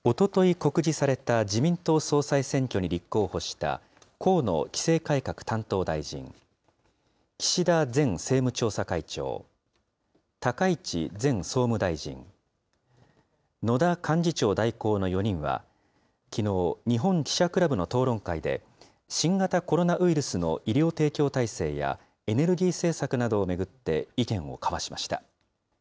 告示された自民党総裁選挙に立候補した河野規制改革担当大臣、岸田前政務調査会長、高市前総務大臣、野田幹事長代行の４人は、きのう、日本記者クラブの討論会で、新型コロナウイルスの医療提供体制やエネルギー政策などを巡って意見を交わしました。